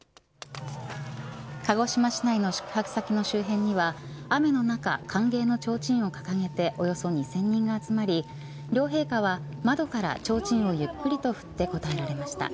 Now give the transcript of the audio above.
鹿児島市内の宿泊先の周辺には雨の中歓迎のちょうちんを掲げておよそ２０００人が集まり両陛下は窓からちょうちんをゆっくりと振って応えられました。